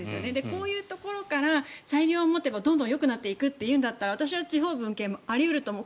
こういうところから裁量を持てばどんどんよくなっていくというんだったら私は地方分権もあり得ると思う。